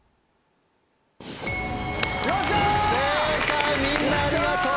正解みんなありがとう！